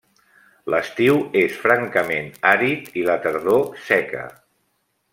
L'estiu és francament àrid, i la tardor, seca.